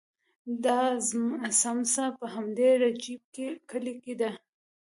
دا څمڅه په همدې رجیب کلي کې ده.